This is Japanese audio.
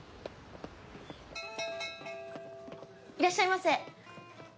いらっしゃいませ。